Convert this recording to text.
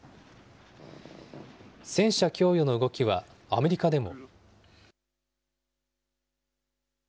戦車供与の動きはアメリカでも。